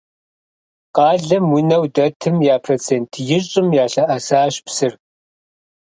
Къалэм унэу дэтым я процент ищӏым ялъэӀэсащ псыр.